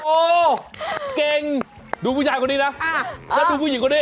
โอ้เก่งดูผู้ชายคนนี้นะแล้วดูผู้หญิงคนนี้